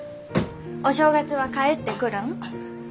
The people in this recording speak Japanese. お正月は帰ってくるん？